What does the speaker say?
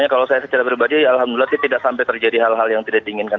kalau saya secara pribadi ya alhamdulillah tidak sampai terjadi hal hal yang tidak ditinggalkan